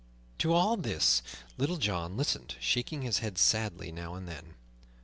To all this Little John listened, shaking his head sadly now and then.